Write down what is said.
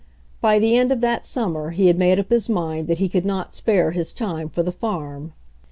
By the end of that sum mer he had made up his mind that he could not spare his time for the farm.